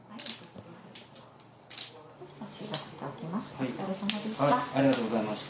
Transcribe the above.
お疲れさまでした。